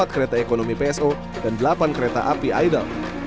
empat kereta ekonomi pso dan delapan kereta api idol